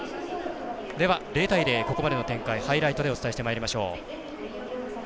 ０対０、ここまでの展開ハイライトでお伝えしてまいりましょう。